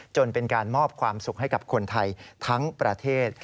เป็นการมอบความสุขให้กับคนไทยทั้งประเทศ